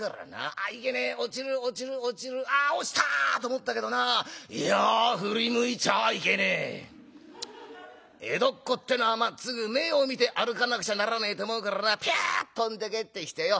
『あっいけねえ落ちる落ちる落ちるあっ落ちた！』と思ったけどないや振り向いちゃいけねえ江戸っ子ってのはまっつぐ前を見て歩かなくちゃならねえと思うからなぴゅ飛んで帰ってきてよ